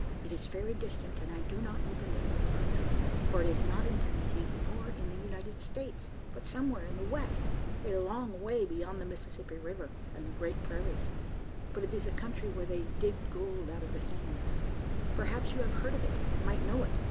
It is very distant, and I do not know the name of the country, for it is not in Tennessee, nor in the United States, but somewhere in the west, a long way beyond the Mississippi river and the great prairies; but it is a country where they dig gold out of the sand perhaps you have heard of it, and might know it.